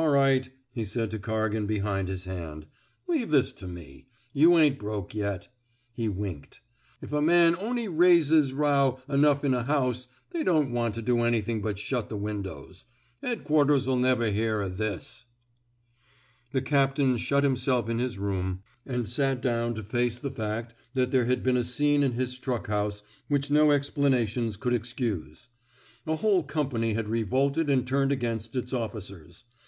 All right," he said to Corrigan behind his hand. Leave this to me. You ain 't broke yet. '' He winked* If a man on'y raises row enough in a house, they don't want to do anythin' but shut the windows. Headquarters '11 never hear o' thisi " The captain shut himself in his room and 275 THE SMOKE EATERS sat down to face the fact that there had been a scene in his truck house which no explana tions could excuse. A whole company had revolted and turned against its officers.